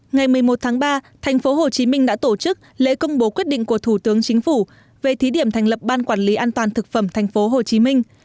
ngày một mươi một tháng ba thành phố hồ chí minh đã tổ chức lễ công bố quyết định của thủ tướng chính phủ về thí điểm thành lập ban quản lý an toàn thực phẩm thành phố hồ chí minh